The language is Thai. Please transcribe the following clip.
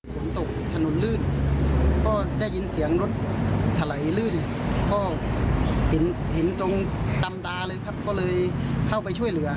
ฝนตกถนนลื่นก็ได้ยินเสียงรถถลายลื่นก็เห็นเห็นตรงตำตาเลยครับก็เลยเข้าไปช่วยเหลือ